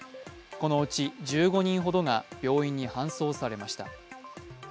このうち１５人ほどが病院に搬送されました。